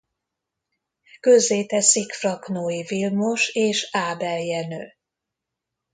Közzéteszik Fraknói Vilmos és Ábel Jenő.